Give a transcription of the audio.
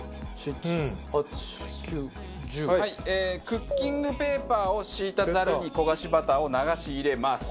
クッキングペーパーを敷いたザルに焦がしバターを流し入れます。